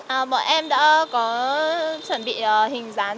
mọi em đã có chuẩn bị hình dán tích băng rôn đội đầu và miếng dán